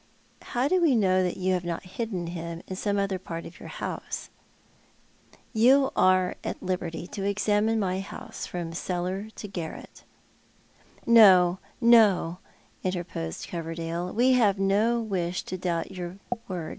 " How do we know that you have not hidden him in some other i^art of your house? " 'YoiT are at liberty to examine my house from cellar to garret." " No, no," interposed Coverdale, " we have no wish to doubt your word.